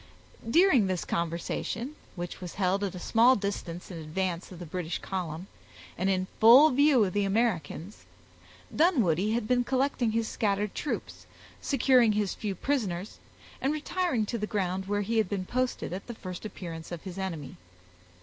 During this conversation, which was held at a small distance in advance of the British column, and in full view of the Americans, Dunwoodie had been collecting his scattered troops, securing his few prisoners, and retiring to the ground where he had been posted at the first appearance of his enemy.